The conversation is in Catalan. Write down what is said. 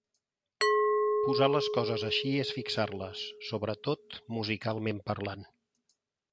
Posar les coses així és fixar-les, sobretot musicalment parlant.